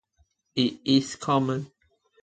It is common.